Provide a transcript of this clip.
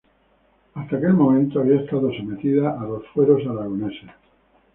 Hasta aquel momento habían estado sometidas a los fueros aragoneses.